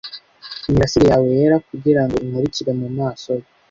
imirasire yawe yera kugirango imurikire mumaso ye